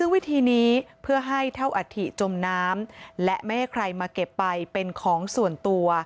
วิธีนี้เพื่อให้เท่าอัฐิจมน้ำและไม่ให้ใครมาเก็บไปเป็นของส่วนตัว